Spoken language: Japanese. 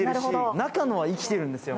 中のはまだ生きてるんですよ。